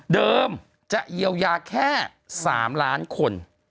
จะเยียวยาแค่๓ล้านคน